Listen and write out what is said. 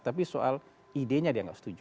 tapi soal idenya dia nggak setuju